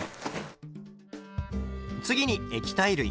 次に液体類。